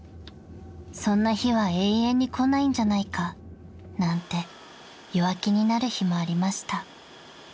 「そんな日は永遠に来ないんじゃないか」なんて弱気になる日もありました］